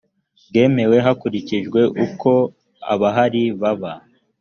bwemewe hakurikijwe uko abahari baba